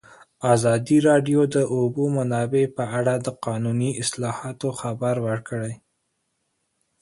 ازادي راډیو د د اوبو منابع په اړه د قانوني اصلاحاتو خبر ورکړی.